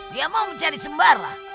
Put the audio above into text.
dia mau mencari sembarang